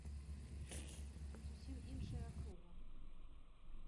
Тут зусім іншая акруга!